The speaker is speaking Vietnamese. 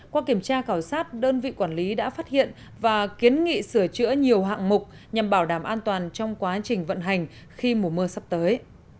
qua kiểm tra khảo sát đơn vị quản lý đã phát hiện và kiến nghị sửa chữa nhiều hạng mục nhằm bảo đảm an toàn trong quá trình vận hành khi mùa mưa sắp tới